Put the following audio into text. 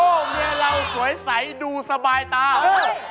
โอ้เมียเราสวยใสดูสบายตาเฮ่ย